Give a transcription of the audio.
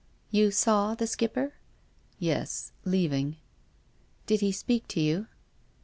" You saw the Skipper?" " Yes, leaving." " Did he speak to you